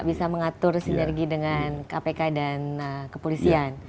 bisa mengatur sinergi dengan kpk dan kepolisian